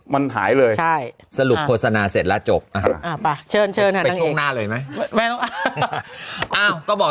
มันหายเลยใช่สรุปโฆษณาเสร็จแล้วจบไปช่วงหน้าเลยไหมก็บอก